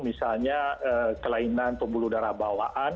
misalnya kelainan pembuluh darah bawaan